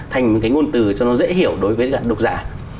thành một cái ngôn từ cho nó dễ hiểu đối với các đục giả